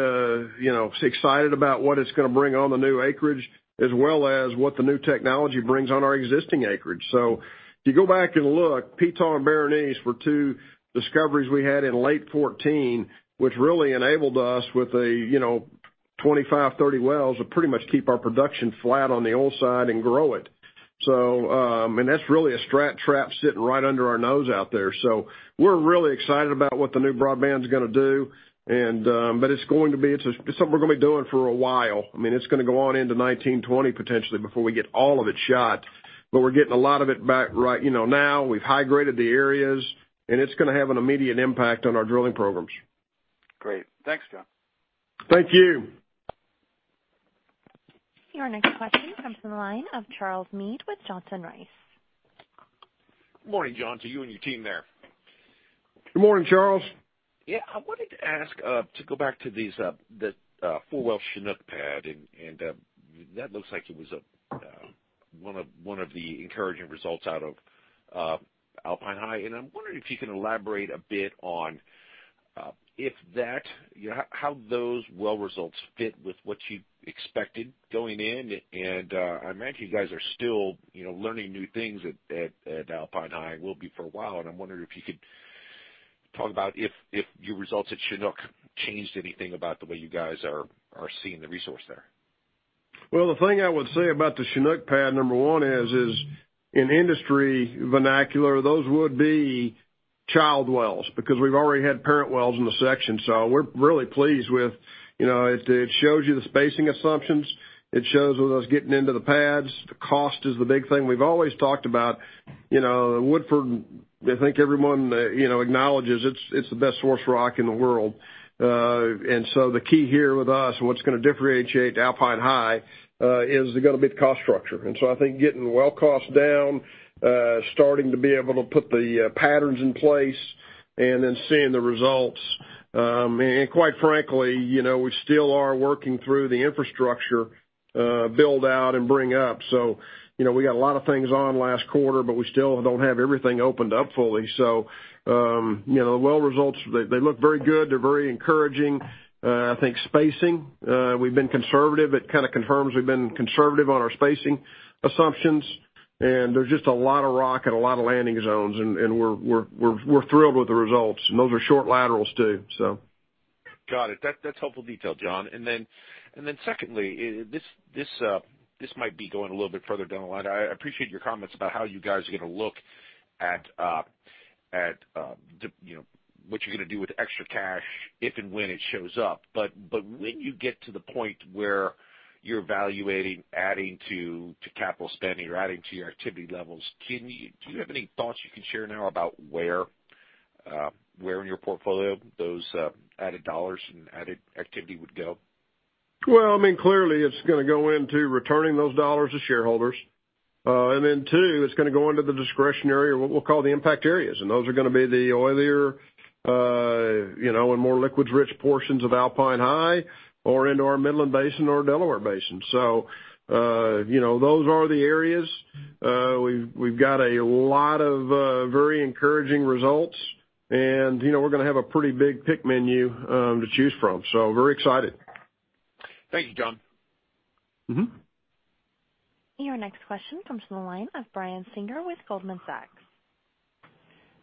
excited about what it's going to bring on the new acreage, as well as what the new technology brings on our existing acreage. If you go back and look, Ptah and Berenice were two discoveries we had in late 2014, which really enabled us with a 25-30 wells to pretty much keep our production flat on the old side and grow it. That's really a stratigraphic trap sitting right under our nose out there. We're really excited about what the new broadband's going to do. It's something we're going to be doing for a while. It's going to go on into 2019, 2020 potentially before we get all of it shot, but we're getting a lot of it back right now. We've hydrated the areas, and it's going to have an immediate impact on our drilling programs. Great. Thanks, John. Thank you. Your next question comes from the line of Charles Meade with Johnson Rice. Good morning, John, to you and your team there. Good morning, Charles. Yeah. I wanted to ask, to go back to these, the four-well Chinook pad, and that looks like it was one of the encouraging results out of Alpine High, and I'm wondering if you can elaborate a bit on how those well results fit with what you expected going in. I imagine you guys are still learning new things at Alpine High, and will be for a while, and I'm wondering if you could talk about if your results at Chinook changed anything about the way you guys are seeing the resource there. Well, the thing I would say about the Chinook pad, number 1 is, in industry vernacular, those would be child wells because we've already had parent wells in the section. We're really pleased. It shows you the spacing assumptions. It shows with us getting into the pads. The cost is the big thing. We've always talked about Woodford, I think everyone acknowledges it's the best source rock in the world. The key here with us and what's going to differentiate Alpine High is going to be the cost structure. I think getting the well cost down, starting to be able to put the patterns in place, and then seeing the results. Quite frankly, we still are working through the infrastructure build-out and bring up. We got a lot of things on last quarter, but we still don't have everything opened up fully. The well results, they look very good. They're very encouraging. I think spacing, we've been conservative. It kind of confirms we've been conservative on our spacing assumptions, and there's just a lot of rock and a lot of landing zones, and we're thrilled with the results. Those are short laterals too. Got it. That's helpful detail, John. Secondly, this might be going a little bit further down the line. I appreciate your comments about how you guys are going to look at what you're going to do with extra cash if and when it shows up. When you get to the point where you're evaluating adding to capital spending or adding to your activity levels, do you have any thoughts you can share now about where in your portfolio those added dollars and added activity would go? Clearly it's going to go into returning those dollars to shareholders. Then two, it's going to go into the discretionary or what we'll call the impact areas, and those are going to be the oilier, and more liquids-rich portions of Alpine High or into our Midland Basin or Delaware Basin. Those are the areas. We've got a lot of very encouraging results, and we're going to have a pretty big pick menu to choose from. Very excited. Thank you, John. Your next question comes from the line of Brian Singer with Goldman Sachs.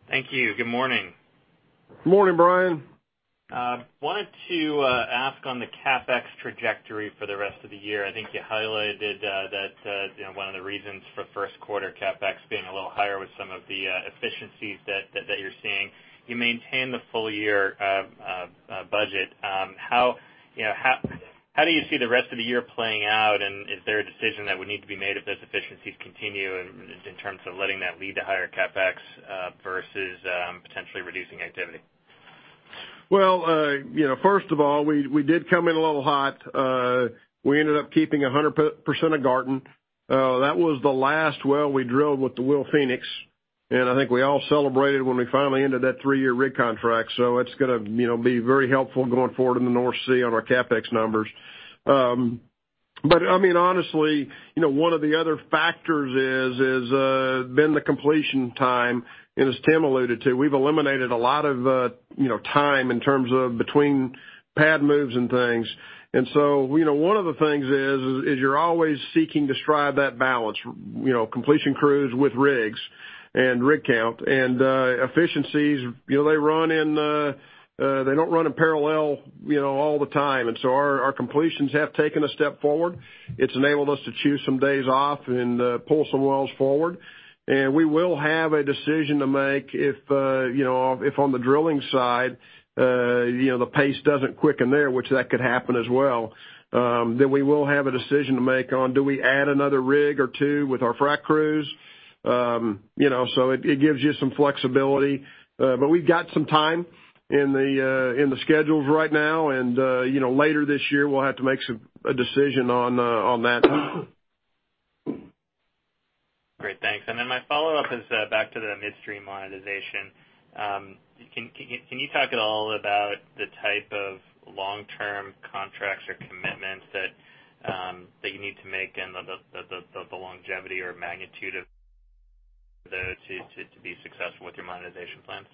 Thank you. Good morning. Good morning, Brian. Wanted to ask on the CapEx trajectory for the rest of the year. I think you highlighted that one of the reasons for first quarter CapEx being a little higher was some of the efficiencies that you're seeing. You maintain the full year budget. How do you see the rest of the year playing out, and is there a decision that would need to be made if those efficiencies continue in terms of letting that lead to higher CapEx versus potentially reducing activity? Well, first of all, we did come in a little hot. We ended up keeping 100% of Garten. That was the last well we drilled with the WilPhoenix, and I think we all celebrated when we finally ended that three-year rig contract. It's going to be very helpful going forward in the North Sea on our CapEx numbers. Honestly, one of the other factors has been the completion time, and as Tim alluded to, we've eliminated a lot of time in terms of between pad moves and things. One of the things is you're always seeking to strive that balance, completion crews with rigs and rig count. Efficiencies, they don't run in parallel all the time. Our completions have taken a step forward. It's enabled us to choose some days off and pull some wells forward. We will have a decision to make if on the drilling side, the pace doesn't quicken there, which that could happen as well, then we will have a decision to make on do we add another rig or two with our frack crews? It gives you some flexibility. We've got some time in the schedules right now, and later this year we'll have to make a decision on that. Great. Thanks. Then my follow-up is back to the midstream monetization. Can you talk at all about the type of long-term contracts or commit- intuitive there to be successful with your monetization plans?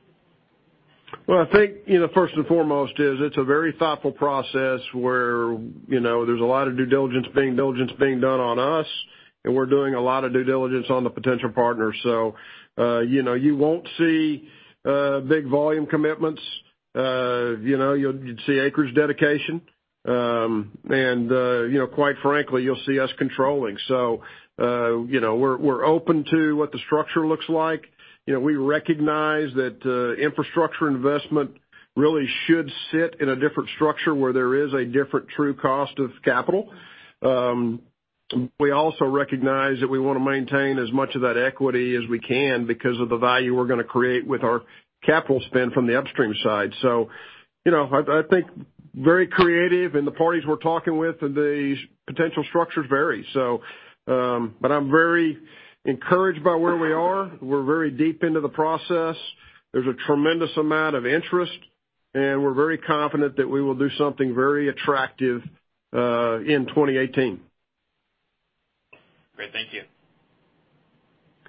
Well, I think, first and foremost is it's a very thoughtful process where there's a lot of due diligence being done on us, and we're doing a lot of due diligence on the potential partners. You won't see big volume commitments. You'd see acreage dedication. Quite frankly, you'll see us controlling. We're open to what the structure looks like. We recognize that infrastructure investment really should sit in a different structure where there is a different true cost of capital. We also recognize that we want to maintain as much of that equity as we can because of the value we're going to create with our capital spend from the upstream side. I think very creative and the parties we're talking with, and the potential structures vary. I'm very encouraged by where we are. We're very deep into the process. There's a tremendous amount of interest, we're very confident that we will do something very attractive, in 2018. Great. Thank you.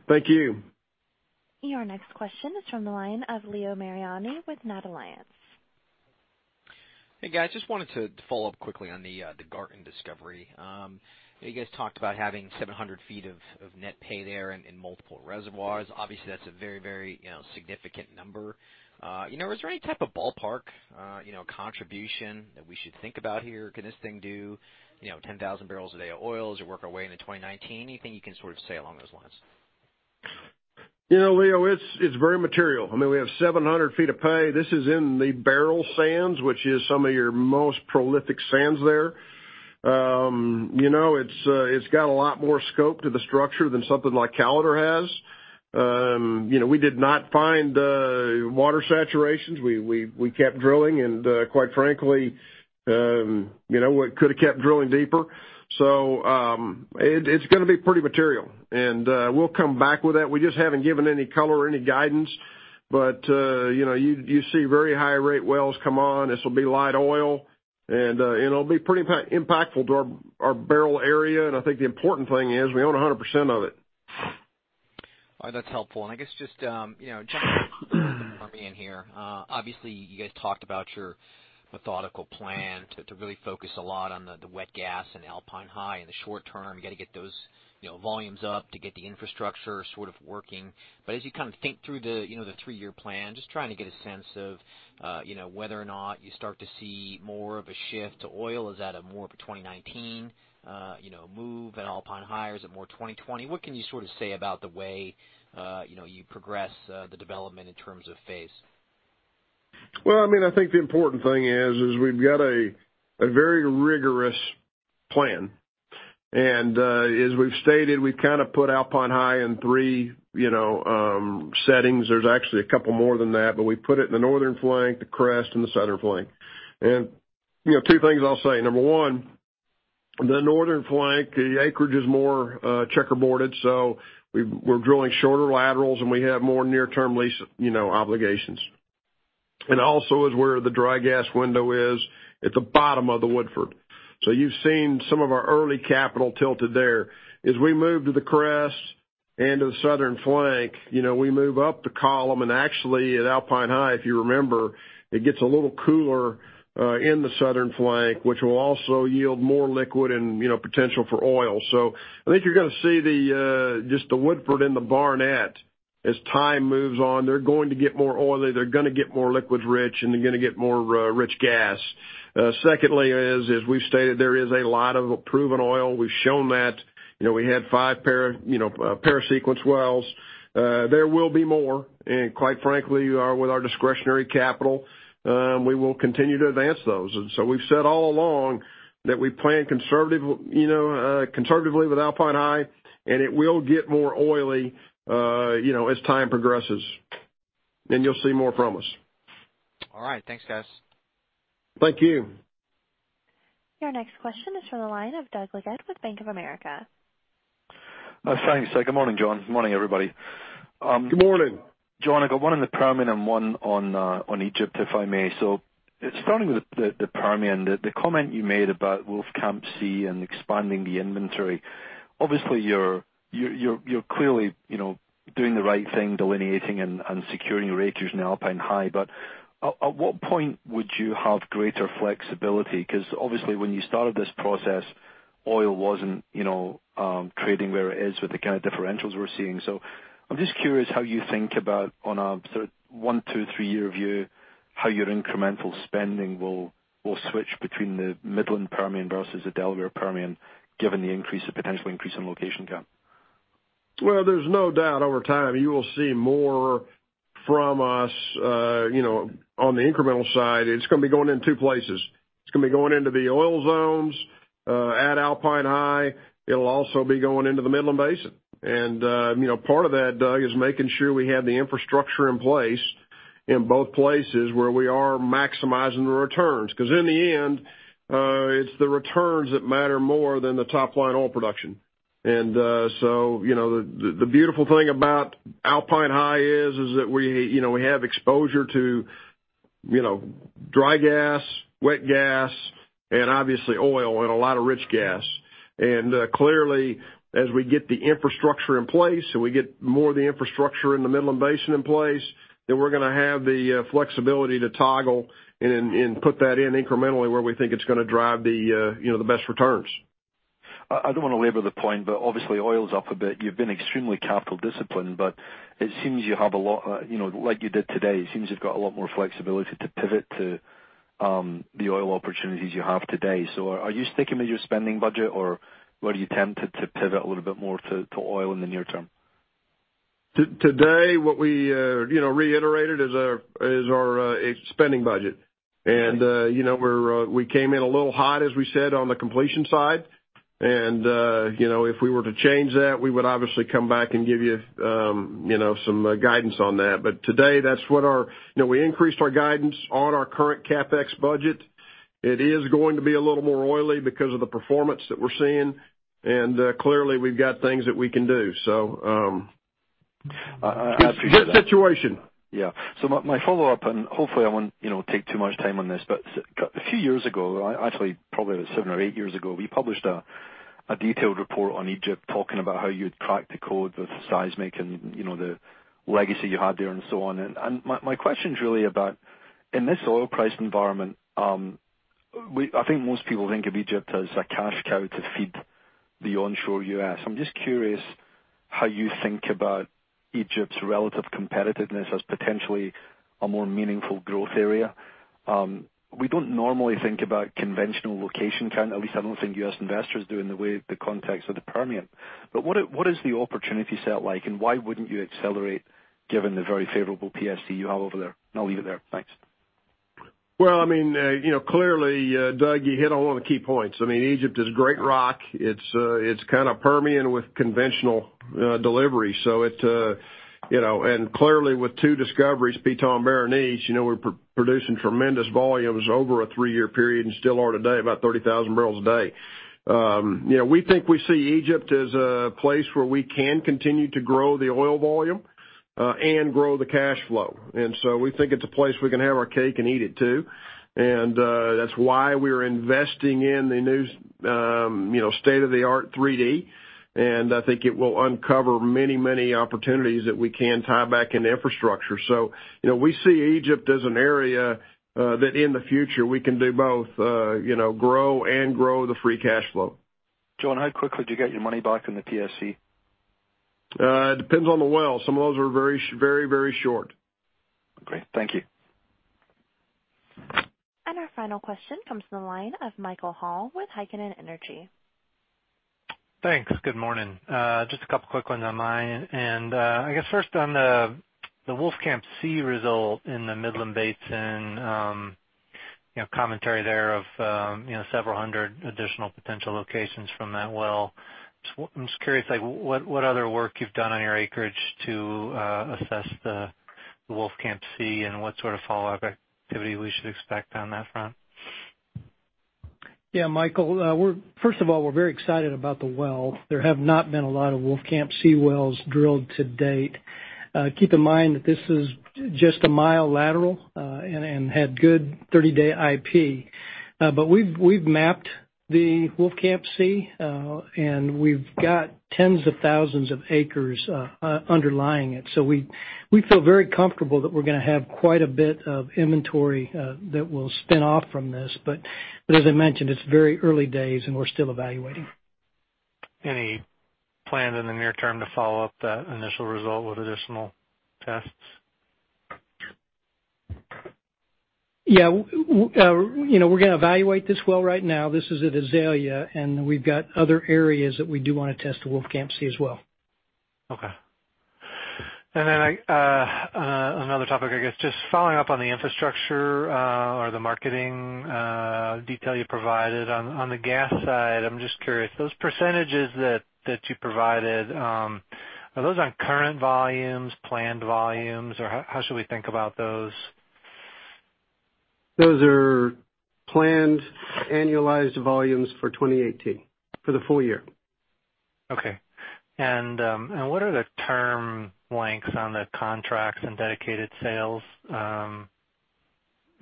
Thank you. Your next question is from the line of Leo Mariani with NatAlliance Securities. Hey, guys. Just wanted to follow up quickly on the Garten discovery. You guys talked about having 700 feet of net pay there in multiple reservoirs. Obviously, that's a very significant number. Is there any type of ballpark contribution that we should think about here? Can this thing do 10,000 barrels a day of oils or work our way into 2019? Anything you can sort of say along those lines? Leo, it's very material. We have 700 feet of pay. This is in the Beryl sands, which is some of your most prolific sands there. It's got a lot more scope to the structure than something like Callater has. We did not find water saturations. We kept drilling, and quite frankly, we could've kept drilling deeper. It's going to be pretty material, and we'll come back with that. We just haven't given any color or any guidance, but you see very high-rate wells come on. This will be light oil, and it'll be pretty impactful to our Beryl area. I think the important thing is we own 100% of it. All right. That's helpful. I guess just jumping on in here. Obviously, you guys talked about your methodical plan to really focus a lot on the wet gas and Alpine High in the short term. You got to get those volumes up to get the infrastructure sort of working. As you think through the three-year plan, just trying to get a sense of whether or not you start to see more of a shift to oil. Is that a more of a 2019 move than Alpine High, or is it more 2020? What can you sort of say about the way you progress the development in terms of phase? Well, I think the important thing is we've got a very rigorous plan. As we've stated, we've kind of put Alpine High in three settings. There's actually a couple more than that, but we put it in the northern flank, the crest, and the southern flank. Two things I'll say. Number 1, the northern flank, the acreage is more checkerboarded, so we're drilling shorter laterals, and we have more near-term lease obligations. Also is where the dry gas window is at the bottom of the Woodford. You've seen some of our early capital tilted there. As we move to the crest and to the southern flank, we move up the column and actually at Alpine High, if you remember, it gets a little cooler in the southern flank, which will also yield more liquid and potential for oil. I think you're going to see just the Woodford and the Barnett as time moves on. They're going to get more oily. They're going to get more liquid rich, and they're going to get more rich gas. Secondly is, as we've stated, there is a lot of proven oil. We've shown that. We had five pair sequence wells. There will be more, and quite frankly, with our discretionary capital, we will continue to advance those. We've said all along that we plan conservatively with Alpine High, and it will get more oily as time progresses. You'll see more from us. All right. Thanks, guys. Thank you. Your next question is from the line of Douglas Leggate with Bank of America. Thanks. Good morning, John. Good morning, everybody. Good morning. John, I got one in the Permian and one on Egypt, if I may. Starting with the Permian, the comment you made about Wolfcamp C and expanding the inventory, obviously you're clearly doing the right thing delineating and securing your acres in Alpine High. At what point would you have greater flexibility? Obviously when you started this process, oil wasn't trading where it is with the kind of differentials we're seeing. I'm just curious how you think about on a sort of one, two, three-year view, how your incremental spending will switch between the Midland Permian versus the Delaware Permian, given the potential increase in location count. There's no doubt over time you will see more from us on the incremental side. It's going to be going in two places. It's going to be going into the oil zones, at Alpine High. It'll also be going into the Midland Basin. Part of that, Doug, is making sure we have the infrastructure in place in both places where we are maximizing the returns. In the end, it's the returns that matter more than the top-line oil production. The beautiful thing about Alpine High is that we have exposure to Dry gas, wet gas, and obviously oil and a lot of rich gas. Clearly, as we get the infrastructure in place, and we get more of the infrastructure in the Midland Basin in place, we're going to have the flexibility to toggle and put that in incrementally where we think it's going to drive the best returns. I don't want to labor the point, but obviously oil's up a bit. You've been extremely capital disciplined, but it seems you have a lot, like you did today, it seems you've got a lot more flexibility to pivot to the oil opportunities you have today. Are you sticking with your spending budget or were you tempted to pivot a little bit more to oil in the near term? Today, what we reiterated is our spending budget. We came in a little hot, as we said, on the completion side. If we were to change that, we would obviously come back and give you some guidance on that. Today, we increased our guidance on our current CapEx budget. It is going to be a little more oily because of the performance that we're seeing. Clearly, we've got things that we can do. It is a good situation. My follow-up, and hopefully I won't take too much time on this, but a few years ago, actually probably seven or eight years ago, we published a detailed report on Egypt talking about how you'd cracked the code with seismic and the legacy you had there and so on. My question's really about, in this oil price environment, I think most people think of Egypt as a cash cow to feed the onshore U.S. I'm just curious how you think about Egypt's relative competitiveness as potentially a more meaningful growth area. We don't normally think about conventional location count, at least I don't think U.S. investors do in the context of the Permian. What is the opportunity set like, and why wouldn't you accelerate given the very favorable PSC you have over there? I'll leave it there. Thanks. Well, clearly, Doug, you hit on all the key points. Egypt is great rock. It's kind of Permian with conventional delivery. Clearly with two discoveries, Ptah and Berenice, we're producing tremendous volumes over a three-year period and still are today, about 30,000 barrels a day. We think we see Egypt as a place where we can continue to grow the oil volume, and grow the cash flow. We think it's a place we can have our cake and eat it, too. That's why we're investing in the new state-of-the-art 3D, and I think it will uncover many opportunities that we can tie back into infrastructure. We see Egypt as an area that in the future we can do both grow and grow the free cash flow. John, how quickly do you get your money back from the PSC? Depends on the well. Some of those are very short. Great. Thank you. Our final question comes from the line of Michael Hall with Heikkinen Energy Advisors. Thanks. Good morning. Just a couple quick ones on my end. I guess first on the Wolfcamp C result in the Midland Basin, commentary there of several hundred additional potential locations from that well. I'm just curious what other work you've done on your acreage to assess the Wolfcamp C and what sort of follow-up activity we should expect on that front? Yeah, Michael, first of all, we're very excited about the well. There have not been a lot of Wolfcamp C wells drilled to date. Keep in mind that this is just a mile lateral, and had good 30-day IP. We've mapped the Wolfcamp C, and we've got tens of thousands of acres underlying it. We feel very comfortable that we're going to have quite a bit of inventory that will spin off from this. As I mentioned, it's very early days and we're still evaluating. Any plans in the near term to follow up that initial result with additional tests? Yeah. We're going to evaluate this well right now. This is at Azalea, and we've got other areas that we do want to test the Wolfcamp C as well. Okay. Then another topic, I guess, just following up on the infrastructure, or the marketing detail you provided on the gas side. I'm just curious, those percentages that you provided, are those on current volumes, planned volumes, or how should we think about those? Those are planned annualized volumes for 2018, for the full year. Okay. What are the term lengths on the contracts and dedicated sales?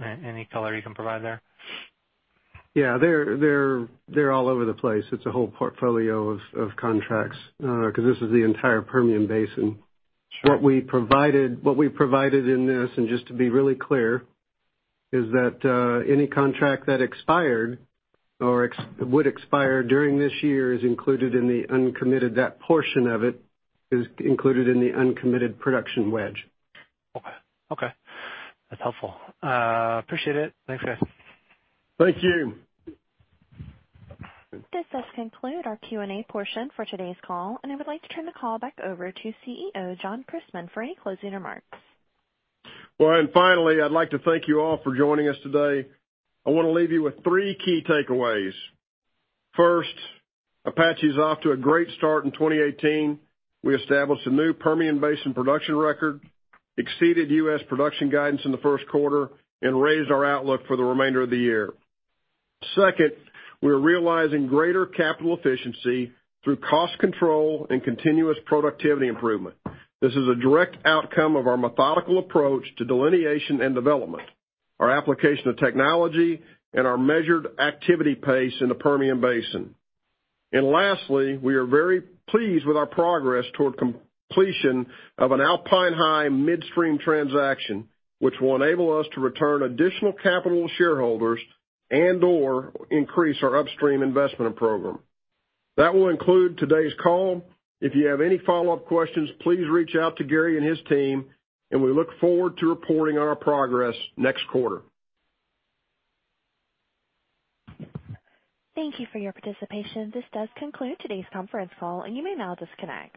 Any color you can provide there? Yeah. They're all over the place. It's a whole portfolio of contracts, because this is the entire Permian Basin. Sure. What we provided in this, and just to be really clear, is that any contract that expired or would expire during this year is included in the uncommitted. That portion of it is included in the uncommitted production wedge. Okay. That's helpful. Appreciate it. Thanks, guys. Thank you. This does conclude our Q&A portion for today's call, and I would like to turn the call back over to CEO, John Christmann, for any closing remarks. Finally, I'd like to thank you all for joining us today. I want to leave you with three key takeaways. First, Apache's off to a great start in 2018. We established a new Permian Basin production record, exceeded U.S. production guidance in the first quarter, and raised our outlook for the remainder of the year. Second, we're realizing greater capital efficiency through cost control and continuous productivity improvement. This is a direct outcome of our methodical approach to delineation and development, our application of technology, and our measured activity pace in the Permian Basin. Lastly, we are very pleased with our progress toward completion of an Alpine High Midstream transaction, which will enable us to return additional capital to shareholders and/or increase our upstream investment program. That will conclude today's call. If you have any follow-up questions, please reach out to Gary and his team. We look forward to reporting on our progress next quarter. Thank you for your participation. This does conclude today's conference call. You may now disconnect.